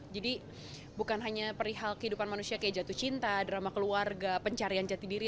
jadi bukan hanya perihal kehidupan manusia kayak jatuh cinta drama keluarga pencarian jati diri